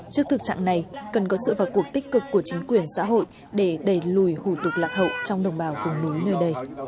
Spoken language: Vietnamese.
trước thực trạng này cần có sự vào cuộc tích cực của chính quyền xã hội để đẩy lùi hủ tục lạc hậu trong đồng bào vùng núi nơi đây